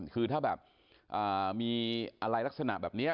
คือถ้าแบบมีอะไรลักษณะแบบนี้